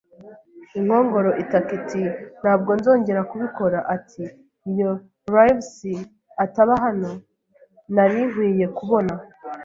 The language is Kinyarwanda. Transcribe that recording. Inkongoro itaka iti: “Ntabwo nzongera kubikora.” Ati: "Iyo Livesey ataba hano nari nkwiye kubona